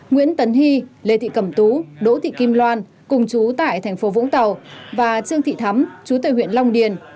nguyễn tấn hy lê thị cẩm tú đỗ thị kim loan cùng chú tại thành phố vũng tàu và trương thị thắm chú tại huyện long điền